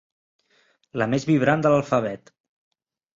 La més vibrant de l'alfabet.